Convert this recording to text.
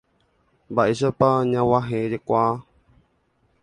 Mba'éichapa ñag̃uahẽkuaa.